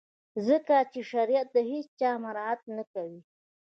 ځکه چي شریعت د هیڅ چا مراعات نه کوي.